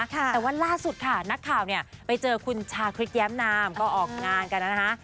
แต่ว่าล่าสุดค่ะนักข่าวเนี่ยไปเจอคุณชาคริสแย้มนามก็ออกงานกันนะคะ